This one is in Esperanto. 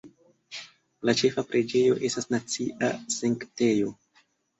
La ĉefa preĝejo estas nacia sanktejo.